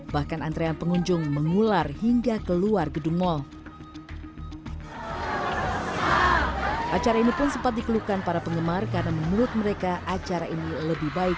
bahkan antrean pengunjung mengular hingga keluar gedung mal